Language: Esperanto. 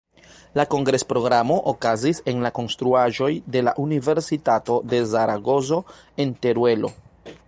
La kongres-programo okazis en la konstruaĵoj de la Universitato de Zaragozo en Teruelo.